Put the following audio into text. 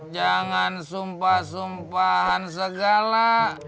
jangan sumpah sumpahan segala